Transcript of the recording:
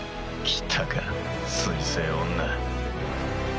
来たか水星女。